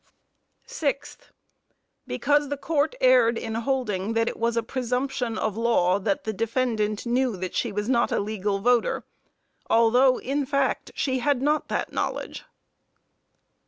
Sixth Because the court erred in holding that it was a presumption of law that the defendant knew that she was not a legal voter, although in fact she had not that knowledge.